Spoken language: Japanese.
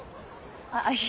あっいや。